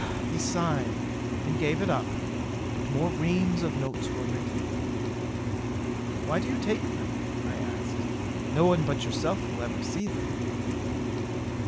He sighed and gave it up. But more reams of notes were written. "Why do you take them?" I asked. "No one but yourself will ever see them."